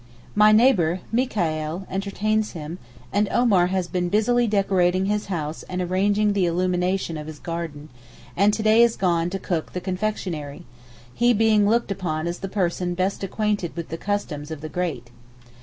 My neighbour, Mikaeel, entertains him, and Omar has been busily decorating his house and arranging the illumination of his garden, and to day is gone to cook the confectionery, he being looked upon as the person best acquainted with the customs of the great.